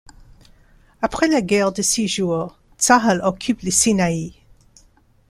Après la guerre de Six-Jours, Tsahal occupe le Sinaï.